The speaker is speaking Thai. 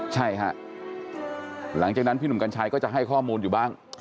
ใช่ฮะหลังจากนั้นพี่หนุ่มกัญชัยก็จะให้ข้อมูลอยู่บ้าง